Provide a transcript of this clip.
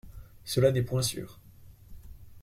Cela n'est point sûr.